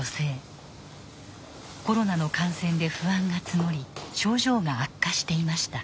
コロナの感染で不安が募り症状が悪化していました。